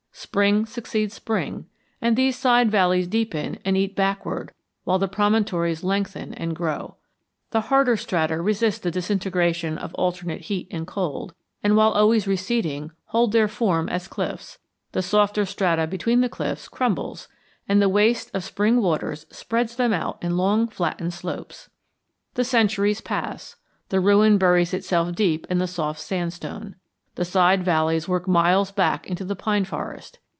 Spring succeeds spring, and these side valleys deepen and eat backward while the promontories lengthen and grow. The harder strata resist the disintegration of alternate heat and cold, and, while always receding, hold their form as cliffs; the softer strata between the cliffs crumbles and the waste of spring waters spreads them out in long flattened slopes. The centuries pass. The ruin buries itself deep in the soft sandstone. The side valleys work miles back into the pine forest.